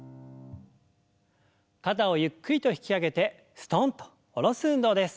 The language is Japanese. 肩をゆっくりと引き上げてすとんと下ろす運動です。